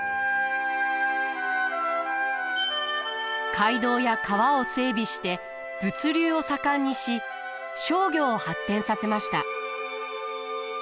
街道や川を整備して物流を盛んにし商業を発展させました。